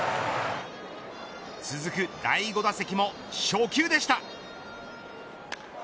続く第５打席も初球でした。